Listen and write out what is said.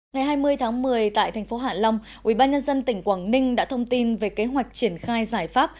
ngày hai mươi tháng một mươi tại thành phố hạ long ubnd tỉnh quảng ninh đã thông tin về kế hoạch triển khai giải pháp